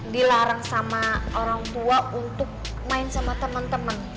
dilarang sama orang tua untuk main sama temen temen